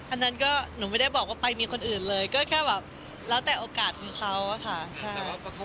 อันนั้นก็หนูไม่ได้บอกว่าไปมีคนอื่นเลยก็แค่แบบแล้วแต่โอกาสของเขาอะค่ะ